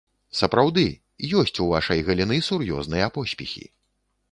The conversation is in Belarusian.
Сапраўды, ёсць у вашай галіны сур'ёзныя поспехі.